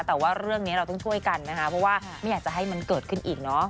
แต่ว่าเรื่องนี้เราต้องช่วยกันนะคะเพราะว่าไม่อยากจะให้มันเกิดขึ้นอีกเนอะ